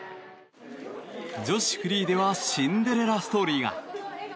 女子フリーではシンデレラストーリーが。